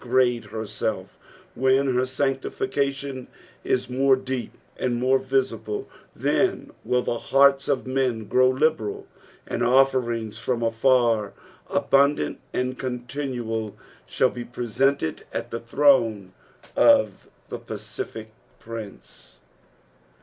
grade her self, when her sanctification is more deep and more visible ; then will the hearts of men grow liberal, and offerings from afar, abundant and continual, shall be presented at the throne of the Pacific Prince.